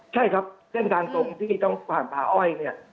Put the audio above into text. ใช่ครับเส้นทางตรงที่ต้องผ่านป่าอ้อยเนี่ย